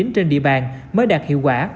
trên địa bàn mới đạt hiệu quả